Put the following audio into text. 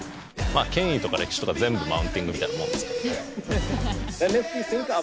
権威とか歴史とか全部マウンティングみたいなもんですけどね。